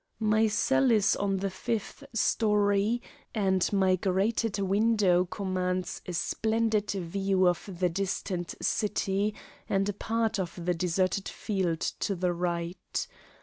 My cell is on the fifth story, and my grated window commands a splendid view of the distant city and a part of the deserted field to the right.